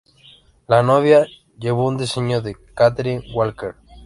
La novia llevó un diseño de Catherine Walker.